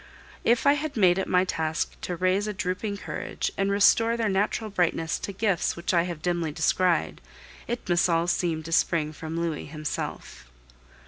If I have made it my task to raise a drooping courage and restore their natural brightness to gifts which I have dimly descried, it must all seem to spring from Louis himself.